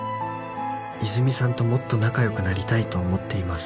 「泉さんともっと仲良くなりたいと思っています」